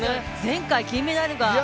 前回金メダルがここで。